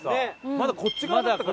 まだこっち側だったから。